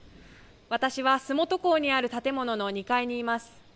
私は洲本港にある建物の２階にいます。